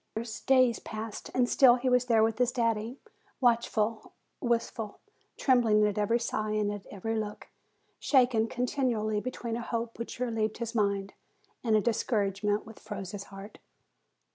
Hours, days passed, and still he was there with his daddy; watchful, wistful, trembling at every sigh and at every look, shaken continually between a hope which relieved his mind and a discouragement which froze his heart.